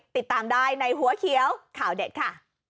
ติดตามได้ในหัวเขียวข่าวเด็ดค่ะ